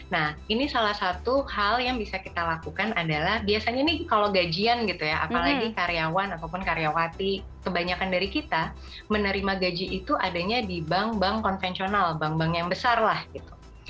nah ini salah satu hal yang bisa kita lakukan adalah biasanya nih kalau gajian gitu ya apalagi karyawan ataupun karyawati kebanyakan dari kita menerima gaji itu adanya di bank bank konvensional bank bank yang besar lah gitu